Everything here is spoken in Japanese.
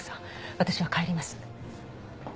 私は帰ります。